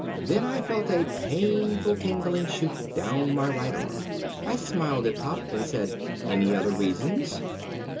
Then I felt a painful tingling shoot down my right arm. I smiled at Pop and said, "Any other reasons?"